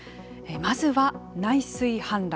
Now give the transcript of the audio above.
まずは内水氾濫。